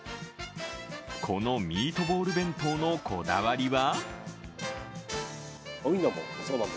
このミートボール弁当のこだわりは？